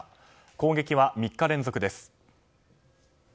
攻撃は３日連続です。